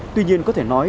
tuy nhiên có thể nói